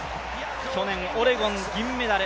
去年、オレゴン銀メダル。